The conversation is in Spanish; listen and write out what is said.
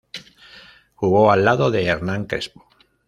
Jugó al lado de Hernán Crespo.